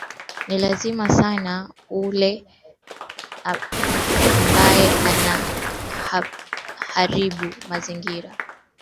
ni lazima sana ule ambae anaharibu mazingira anatakiwa ali